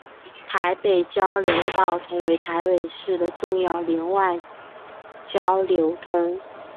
台北交流道同为台北市的重要联外交流道。